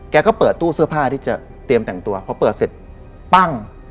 ก็เปิดตู้เสื้อผ้าที่จะเตรียมแต่งตัวพอเปิดเสร็จปั้ง